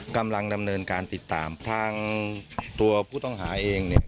กำลังดำเนินการติดตามทางตัวผู้ต้องหาเองเนี่ย